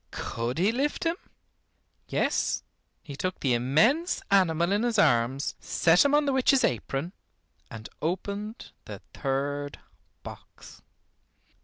Could he lift him? Yes, he took the immense animal in his arms, set him on the witch's apron, and opened the third box.